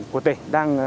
của tỉnh đang